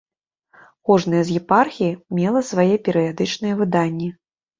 Кожная з епархій мела свае перыядычныя выданні.